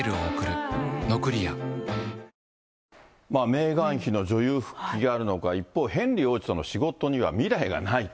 メーガン妃の女優復帰があるのか、一方、ヘンリー王子との仕事には未来がないと。